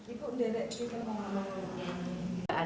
itu udah ada itu kan pengalaman